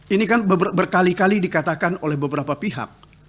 ini kan berkali kali dikatakan oleh beberapa pihak